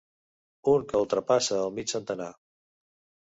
Un que ultrapassa el mig centenar.